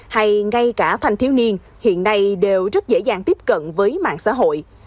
hay ngay cả thanh thiếu niên hiện nay đều rất dễ dàng tiếp cận với mạng xã hội